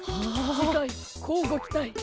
じかいこうごきたい！